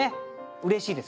うれしいです